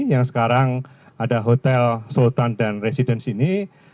yang sekarang ada hotel sultan dan residence ini